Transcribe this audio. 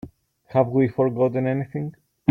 Have we forgotten anything?